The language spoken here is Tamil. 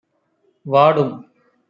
வாடும்.